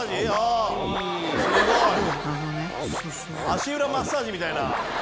足裏マッサージみたいな。